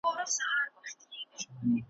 چي مین پر ګل غونډۍ پر ارغوان وم ,